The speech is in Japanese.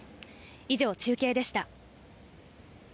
以上、中継でした。